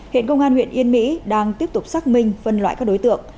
hiện công an huyện yên mỹ đang tiếp tục xác minh vân loại các đối tượng